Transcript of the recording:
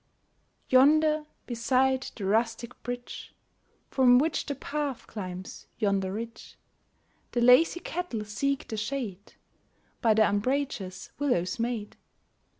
Yonder, beside the rustic bridge, From which the path climbs yonder ridge, The lazy cattle seek the shade By the umbrageous willows made.